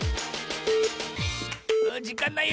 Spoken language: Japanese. じかんないよ。